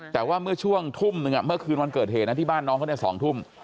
แต่ว่าเมื่อช่วงทุ่มหนึ่งเมื่อคืนวันเกิดเหตุนะที่บ้านน้องเขา๒ทุ่ม